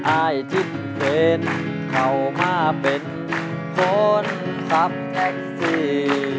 อายทิศเป็นเข้ามาเป็นคนขับแท็กซี่